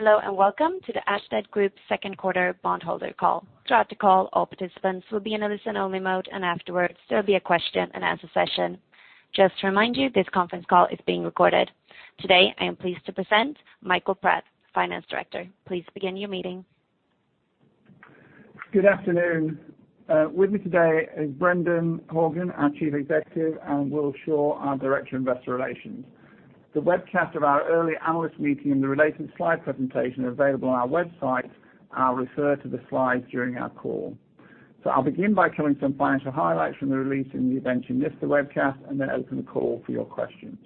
Hello and welcome to the Ashtead Group Second Quarter Bondholder Call. Throughout the call, all participants will be in a listen-only mode, and afterwards, there will be a question-and-answer session. Just to remind you, this conference call is being recorded. Today, I am pleased to present Michael Pratt, Finance Director. Please begin your meeting. Good afternoon. With me today is Brendan Horgan, our Chief Executive, and Will Shaw, our Director of Investor Relations. The webcast of our early analyst meeting and the related slide presentation are available on our website. I'll refer to the slides during our call. I will begin by coming to some financial highlights from the release and the events in this webcast, and then open the call for your questions.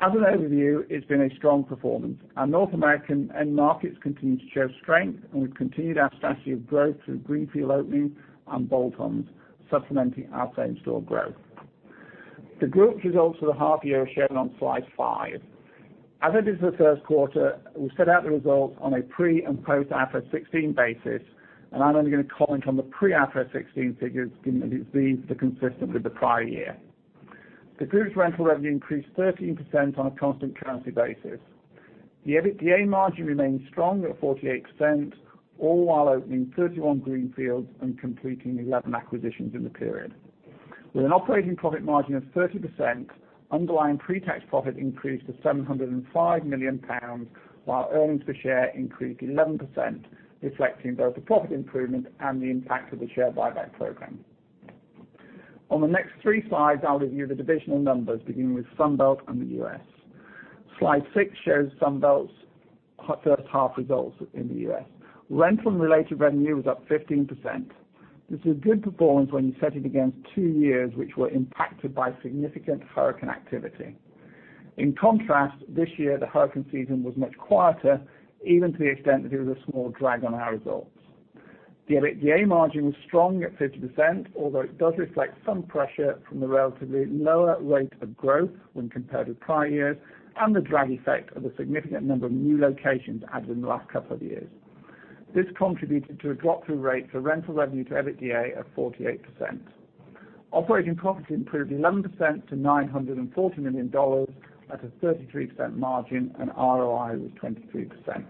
As an overview, it's been a strong performance. Our North American end markets continue to show strength, and we've continued our strategy of growth through greenfield opening and bolt-ons, supplementing our same-store growth. The group results for the half-year are shown on slide five. As it is for the first quarter, we set out the results on a pre- and post-IFRS 16 basis, and I'm only going to comment on the pre-IFRS 16 figures given that it's been consistent with the prior year. The group's rental revenue increased 13% on a constant currency basis. The EBITDA margin remained strong at 48%, all while opening 31 greenfields and completing 11 acquisitions in the period. With an operating profit margin of 30%, underlying pre-tax profit increased to 705 million pounds, while earnings per share increased 11%, reflecting both the profit improvement and the impact of the share buyback program. On the next three slides, I'll review the divisional numbers, beginning with Sunbelt and the U.S. Slide six shows Sunbelt's first half results in the U.S. Rental and related revenue was up 15%. This is a good performance when you set it against two years which were impacted by significant hurricane activity. In contrast, this year, the hurricane season was much quieter, even to the extent that it was a small drag on our results. The EBITDA margin was strong at 50%, although it does reflect some pressure from the relatively lower rate of growth when compared with prior years and the drag effect of the significant number of new locations added in the last couple of years. This contributed to a drop through rate for rental revenue to EBITDA of 48%. Operating profit improved 11% to $940 million at a 33% margin, and ROI was 23%.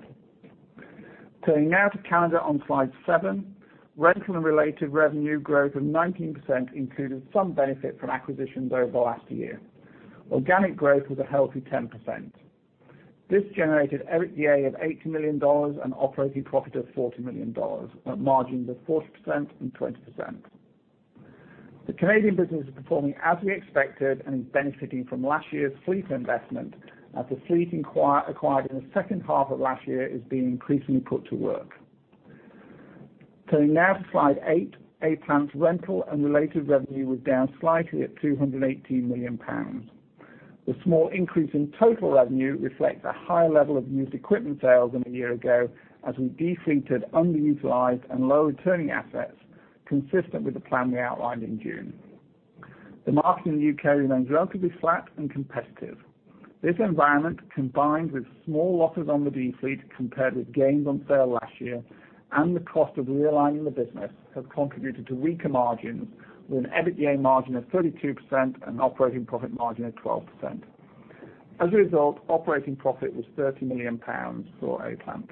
Turning now to calendar on slide seven, rental and related revenue growth of 19% included some benefit from acquisitions over the last year. Organic growth was a healthy 10%. This generated EBITDA of $80 million and operating profit of $40 million, margins of 40% and 20%. The Canadian business is performing as we expected and is benefiting from last year's fleet investment, as the fleet acquired in the second half of last year is being increasingly put to work. Turning now to slide eight, A-Plant's rental and related revenue was down slightly at 218 million pounds. The small increase in total revenue reflects a higher level of used equipment sales than a year ago, as we defleeted underutilized and low-returning assets, consistent with the plan we outlined in June. The market in the U.K. remains relatively flat and competitive. This environment, combined with small losses on the defleet compared with gains on sale last year and the cost of realigning the business, have contributed to weaker margins, with an EBITDA margin of 32% and operating profit margin of 12%. As a result, operating profit was 30 million pounds for A-Plant.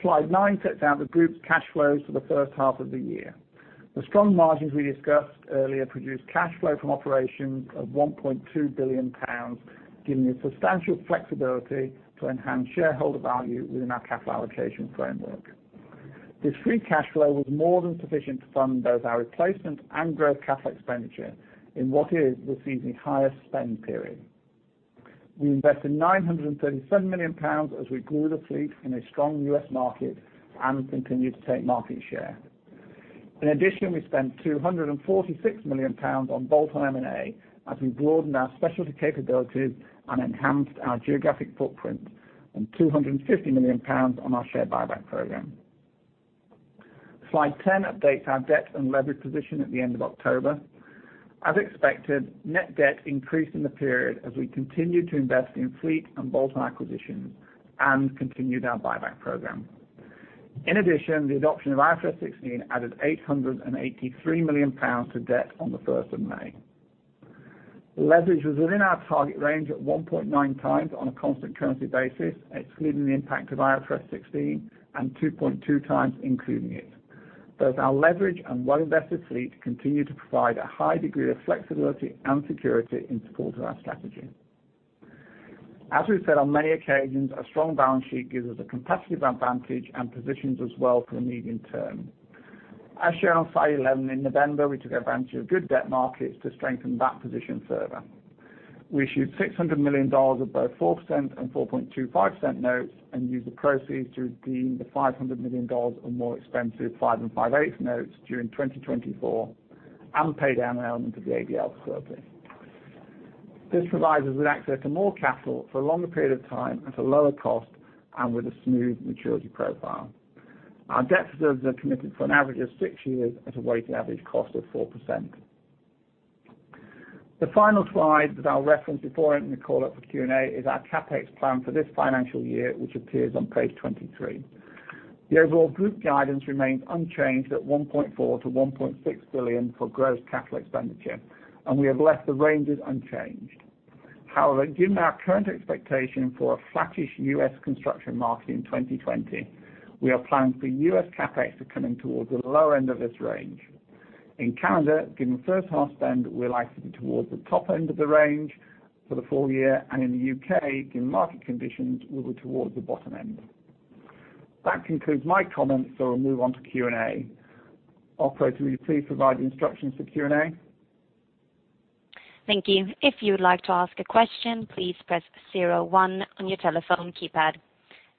Slide nine sets out the group's cash flows for the first half of the year. The strong margins we discussed earlier produced cash flow from operations of 1.2 billion pounds, giving us substantial flexibility to enhance shareholder value within our capital allocation framework. This free cash flow was more than sufficient to fund both our replacement and growth capital expenditure in what is the season's highest spend period. We invested 937 million pounds as we grew the fleet in a strong U.S. market and continued to take market share. In addition, we spent 246 million pounds on bolt-on M&A as we broadened our specialty capabilities and enhanced our geographic footprint, and 250 million pounds on our share buyback program. Slide 10 updates our debt and leverage position at the end of October. As expected, net debt increased in the period as we continued to invest in fleet and bolt-on acquisitions and continued our buyback program. In addition, the adoption of IFRS 16 added 883 million pounds to debt on the 1st of May. Leverage was within our target range at 1.9x on a constant currency basis, excluding the impact of IFRS 16, and 2.2x including it. Both our leverage and well-invested fleet continue to provide a high degree of flexibility and security in support of our strategy. As we've said on many occasions, a strong balance sheet gives us a competitive advantage and positions us well for the medium term. As shown on slide 11, in November, we took advantage of good debt markets to strengthen that position further. We issued $600 million of both 4% and 4.25% notes and used the proceeds to redeem the $500 million of more expensive five and 5/8 notes during 2024 and pay down an element of the ABL scrupulus. This provides us with access to more capital for a longer period of time at a lower cost and with a smooth maturity profile. Our debt facilities are committed for an average of six years at a weighted average cost of 4%. The final slide that I'll reference before entering the call-up for Q&A is our CapEx plan for this financial year, which appears on page 23. The overall group guidance remains unchanged at $1.4 billion-$1.6 billion for gross capital expenditure, and we have left the ranges unchanged. However, given our current expectation for a flattish U.S. construction market in 2020, we are planning for U.S. CapEx to come in towards the lower end of this range. In Canada, given first-half spend, we're likely to be towards the top end of the range for the full year, and in the U.K., given market conditions, we'll be towards the bottom end. That concludes my comments, so we'll move on to Q&A. Operator, will you please provide the instructions for Q&A? Thank you. If you would like to ask a question, please press 01 on your telephone keypad.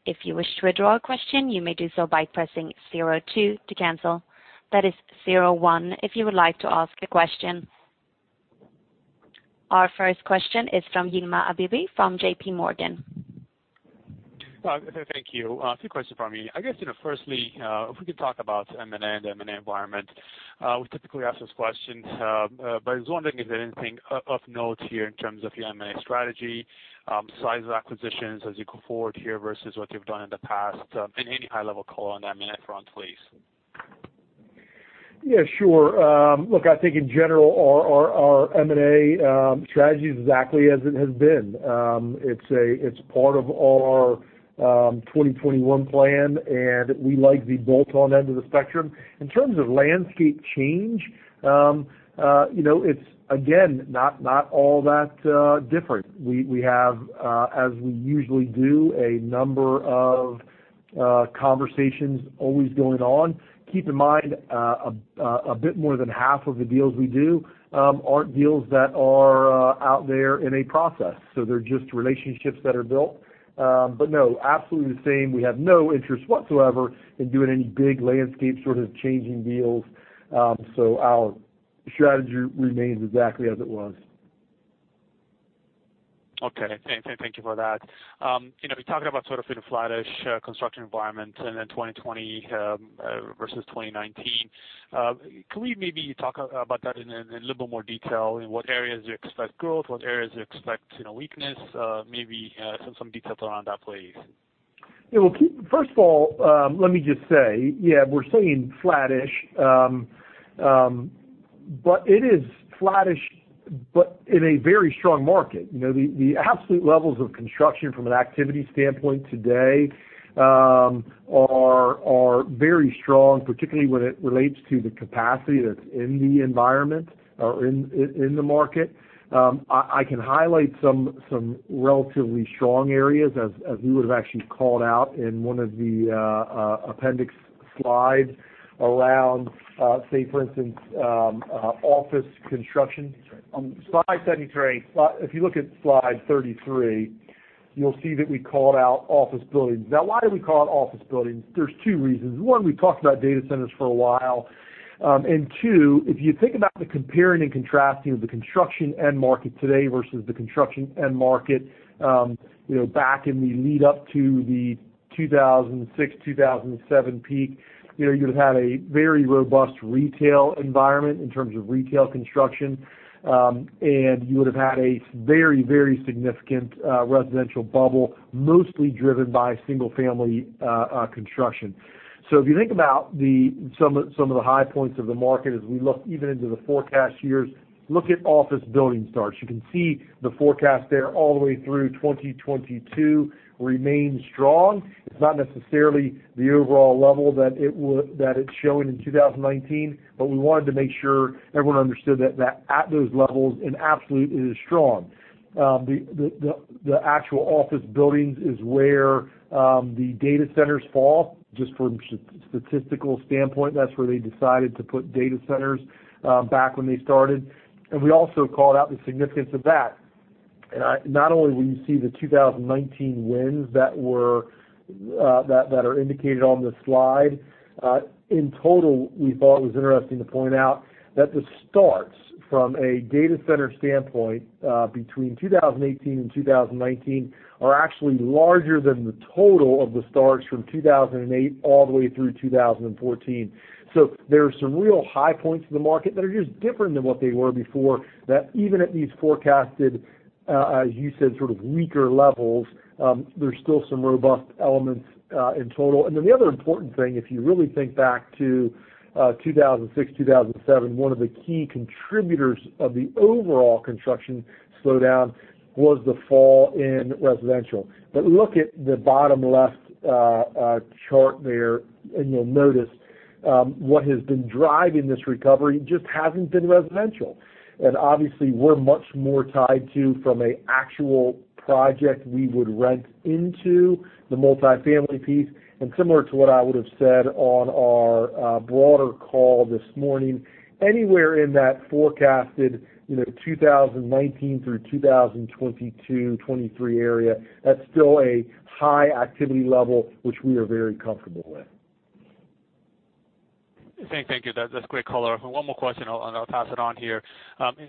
If you wish to withdraw a question, you may do so by pressing 02 to cancel. That is 01 if you would like to ask a question. Our first question is from Yilma Abebe from JP Morgan. Thank you. Two questions for me. I guess, firstly, if we could talk about M&A and the M&A environment. We typically ask those questions, but I was wondering if there's anything of note here in terms of your M&A strategy, size of acquisitions as you go forward here versus what you've done in the past, and any high-level call on the M&A front, please. Yeah, sure. Look, I think in general, our M&A strategy is exactly as it has been. It's part of our 2021 plan, and we like the bolt-on end of the spectrum. In terms of landscape change, it's, again, not all that different. We have, as we usually do, a number of conversations always going on. Keep in mind, a bit more than half of the deals we do aren't deals that are out there in a process, so they're just relationships that are built. No, absolutely the same. We have no interest whatsoever in doing any big landscape sort of changing deals, so our strategy remains exactly as it was. Okay. Thank you for that. You're talking about sort of in a flattish construction environment in 2020 versus 2019. Can we maybe talk about that in a little bit more detail? In what areas do you expect growth? What areas do you expect weakness? Maybe some details around that, please. Yeah. First of all, let me just say, yeah, we're saying flattish, but it is flattish, but in a very strong market. The absolute levels of construction from an activity standpoint today are very strong, particularly when it relates to the capacity that's in the environment or in the market. I can highlight some relatively strong areas, as we would have actually called out in one of the appendix slides around, say, for instance, office construction. Slide 33. If you look at slide 33, you'll see that we called out office buildings. Now, why did we call out office buildings? There's two reasons. One, we've talked about data centers for a while. Two, if you think about the comparing and contrasting of the construction end market today versus the construction end market back in the lead-up to the 2006, 2007 peak, you would have had a very robust retail environment in terms of retail construction, and you would have had a very, very significant residential bubble, mostly driven by single-family construction. If you think about some of the high points of the market as we look even into the forecast years, look at office building starts. You can see the forecast there all the way through 2022 remains strong. It's not necessarily the overall level that it's showing in 2019, but we wanted to make sure everyone understood that at those levels, in absolute, it is strong. The actual office buildings is where the data centers fall, just from a statistical standpoint. That is where they decided to put data centers back when they started. We also called out the significance of that. Not only will you see the 2019 wins that are indicated on the slide, in total, we thought it was interesting to point out that the starts from a data center standpoint between 2018 and 2019 are actually larger than the total of the starts from 2008 all the way through 2014. There are some real high points in the market that are just different than what they were before, that even at these forecasted, as you said, sort of weaker levels, there's still some robust elements in total. The other important thing, if you really think back to 2006, 2007, one of the key contributors of the overall construction slowdown was the fall in residential. Look at the bottom-left chart there, and you'll notice what has been driving this recovery just hasn't been residential. Obviously, we're much more tied to, from an actual project, we would rent into the multifamily piece. Similar to what I would have said on our broader call this morning, anywhere in that forecasted 2019 through 2022, 2023 area, that's still a high activity level, which we are very comfortable with.. Thank you. That's a great color. One more question, and I'll pass it on here.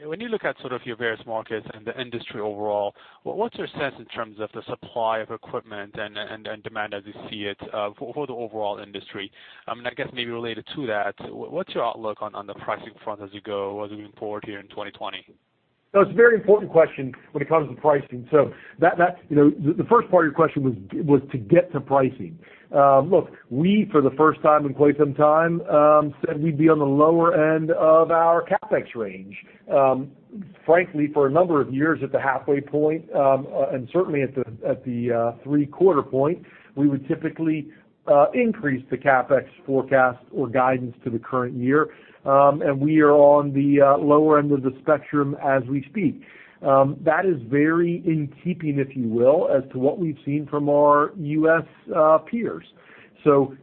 When you look at sort of your various markets and the industry overall, what's your sense in terms of the supply of equipment and demand as you see it for the overall industry? I guess maybe related to that, what's your outlook on the pricing front as you go as we move forward here in 2020? That's a very important question when it comes to pricing. The first part of your question was to get to pricing. Look, we, for the first time in quite some time, said we'd be on the lower end of our CapEx range. Frankly, for a number of years at the halfway point, and certainly at the three-quarter point, we would typically increase the CapEx forecast or guidance to the current year. We are on the lower end of the spectrum as we speak. That is very in keeping, if you will, as to what we've seen from our U.S. peers.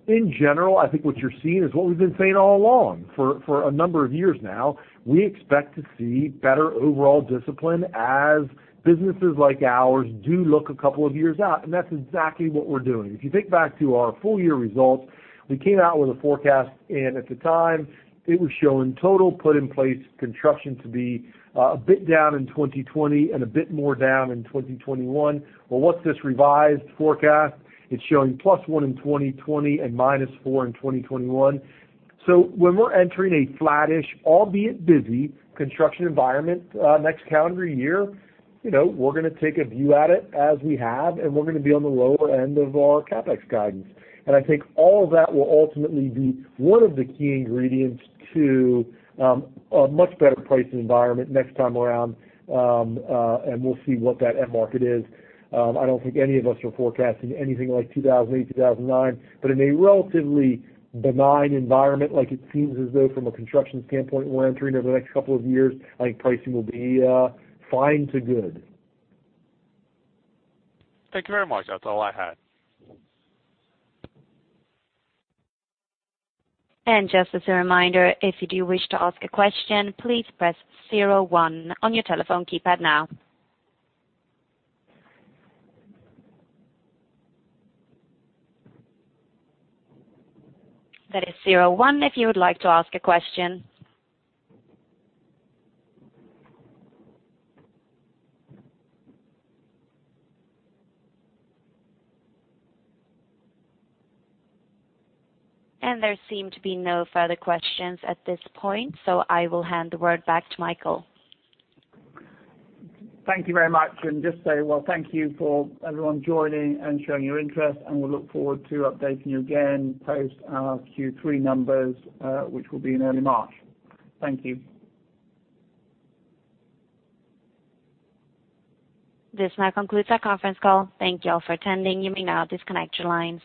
In general, I think what you're seeing is what we've been saying all along for a number of years now. We expect to see better overall discipline as businesses like ours do look a couple of years out. That's exactly what we're doing. If you think back to our full-year results, we came out with a forecast, and at the time, it was showing total put-in-place construction to be a bit down in 2020 and a bit more down in 2021. What is this revised forecast? It is showing +1% in 2020 and -4% in 2021. When we are entering a flattish, albeit busy, construction environment next calendar year, we are going to take a view at it as we have, and we are going to be on the lower end of our CapEx guidance. I think all of that will ultimately be one of the key ingredients to a much better pricing environment next time around, and we will see what that end market is. I don't think any of us are forecasting anything like 2008, 2009, but in a relatively benign environment, like it seems as though from a construction standpoint we're entering over the next couple of years, I think pricing will be fine to good. Thank you very much. That's all I had. Just as a reminder, if you do wish to ask a question, please press 0 one on your telephone keypad now. That is 0 one if you would like to ask a question. There seem to be no further questions at this point, so I will hand the word back to Michael. Thank you very much. Just say, thank you for everyone joining and showing your interest, and we'll look forward to updating you again post our Q3 numbers, which will be in early March. Thank you. This now concludes our conference call. Thank you all for attending. You may now disconnect your lines.